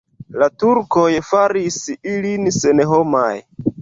La turkoj faris ilin senhomaj.